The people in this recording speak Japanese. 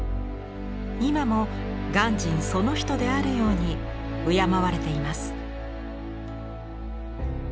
今も鑑真その人であるように敬われています。